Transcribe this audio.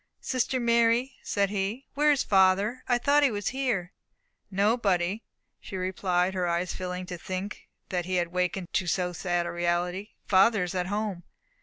"Sister Mary," said he, "where is father? I thought he was here." "No, buddy," she replied, her eyes filling to think that he had awakened to so sad a reality, "father is at home."